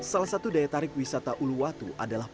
sekarang danach webisode ingin sampai akhir